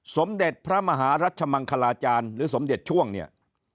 สมเด็จพระมหารัชมังคลาจารย์หรือสมเด็จช่วงเนี่ย